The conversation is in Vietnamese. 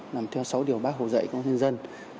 làm theo sáu điều bác hồ dạy công an nhân dân